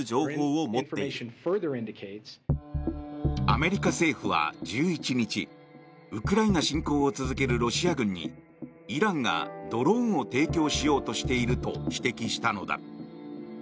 アメリカ政府は１１日ウクライナ侵攻を続けるロシア軍にイランがドローンを提供しようとしていると指摘したのだ。